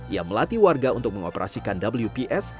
ia melatih warga untuk mengoperasikan wps